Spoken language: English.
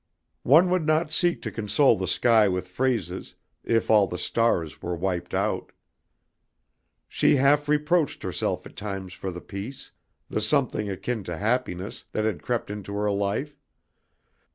One would not seek to console the sky with phrases if all the stars were wiped out. She half reproached herself at times for the peace, the something akin to happiness, that had crept into her life.